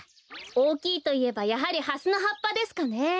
おおきいといえばやはりハスのはっぱですかね。